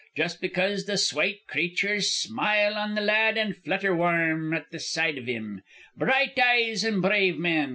Just because the swate creatures smile on the lad an' flutter warm at the sight iv him? Bright eyes and brave men!